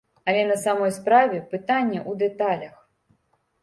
Але, на самой справе, пытанне ў дэталях.